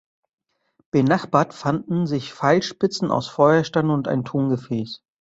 Benachbart fanden sich Pfeilspitzen aus Feuerstein und ein Tongefäß.